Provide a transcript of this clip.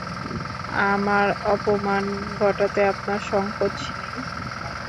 আমার অপমান ঘটাতে আপনার সংকোচ নেই?